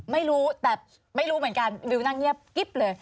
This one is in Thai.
ไม่รู้แต่ไม่รู้เหมือนกันดิวนั่งเงียบกิ๊บเลย